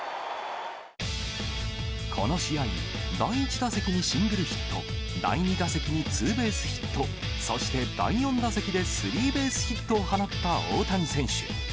この試合、第１打席にシングルヒット、第２打席にツーベースヒット、そして第４打席でスリーベースヒットを放った大谷選手。